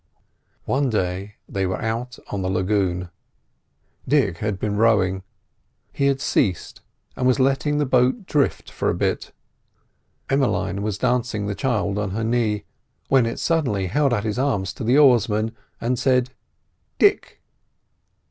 One day they were out on the lagoon. Dick had been rowing; he had ceased, and was letting the boat drift for a bit. Emmeline was dancing the child on her knee, when it suddenly held out its arms to the oarsman and said: "Dick!"